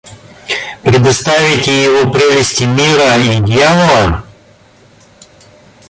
Предоставите его прелести мира и дьявола?